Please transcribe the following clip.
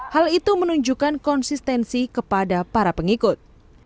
hal itu menunjukkan konsistensi kepada para pengikut